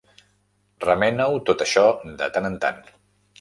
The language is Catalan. Remena-ho tot això de tant en tant.